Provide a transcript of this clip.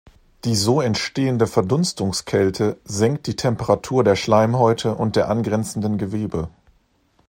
Die so entstehende Verdunstungskälte senkt die Temperatur der Schleimhäute und der angrenzenden Gewebe.